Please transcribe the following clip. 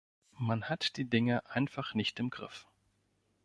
Man hat die Dinge einfach nicht im Griff.